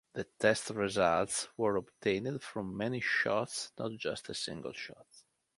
The test results were obtained from many shots not just a single shot.